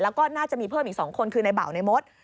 แล้วก็น่าจะมีเพิ่มอีก๒คนคือในเบาในมด